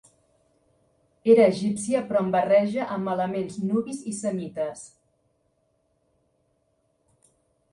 Era egípcia però amb barreja amb elements nubis i semites.